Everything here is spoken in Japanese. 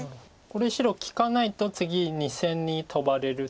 これ白利かないと次２線にトバれる。